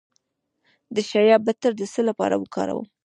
د شیا بټر د څه لپاره وکاروم؟